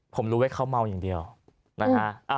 ผมรู้ไว้เขาเมาอย่างเดียวนะฮะ